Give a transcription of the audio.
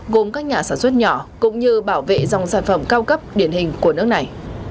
gồm các nhà sản xuất nhỏ cũng như bảo vệ dòng sản phẩm cao cấp điển hình của nước này